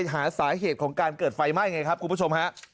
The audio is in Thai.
หาสาเหตุของการเกิดไฟไหม้ไงครับคุณผู้ชมฮะ